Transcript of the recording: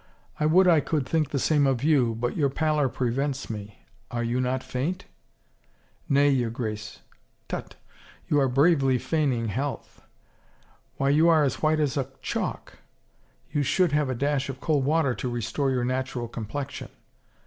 I would I could think the same of you, but your pallor prevents me. Are you not faint? " Nay, your Grace.' " Tut ! You are bravely feigning health. Why you are as white as a chalk — you should have a dash of cold water to restore your natural complexion!